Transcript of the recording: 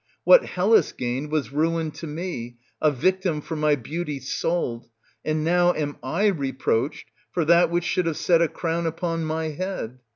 What Hellas gained, was ruin to me, a victim for my beauty sold, and now am I reproached for that which should have set a crown upon my head.